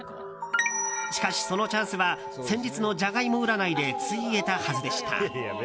しかし、そのチャンスは先日のジャガイモ占いでついえたはずでした。